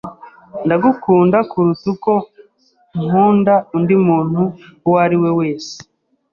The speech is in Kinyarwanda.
Ndagukunda kuruta uko nkunda undi muntu uwo ari we wese.